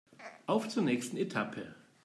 Auf zur nächsten Etappe!